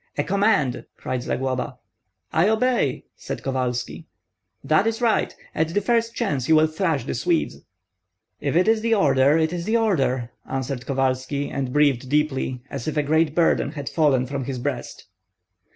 "A command!" cried Zagloba. "I obey!" said Kovalski. "That is right! At the first chance you will thrash the Swedes." "If it is the order, it is the order!" answered Kovalski, and breathed deeply, as if a great burden had fallen from his breast.